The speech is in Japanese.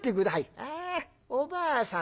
「ああおばあさん